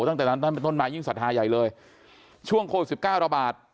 ตั้งแต่นั้นต้นมายิ่งศรัทธาใหญ่เลยช่วงโคลสิบเก้าระบาท